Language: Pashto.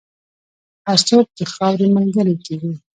هر څوک د خاورې ملګری کېږي.